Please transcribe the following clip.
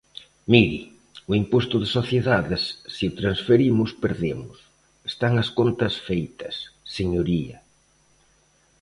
Mire: o imposto de sociedades se o transferimos, perdemos; están as contas feitas, señoría.